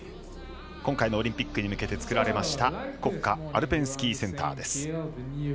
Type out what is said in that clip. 今回のオリンピックに向けて造られました国家アルペンスキーセンターです。